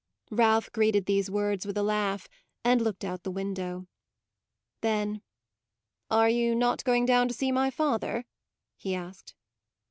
Ralph greeted these words with a laugh and looked out of the window. Then, "Are you not going down to see my father?" he asked.